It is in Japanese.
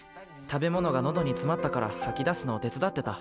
食べものがのどにつまったからはき出すのを手つだってた。